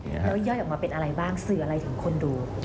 แล้วย่อยออกมาเป็นอะไรบ้างสื่ออะไรถึงคนดู